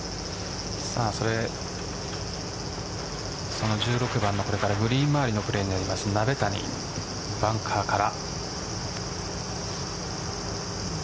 その１６番のこれからグリーン周りのプレーになります、鍋谷バンカーから。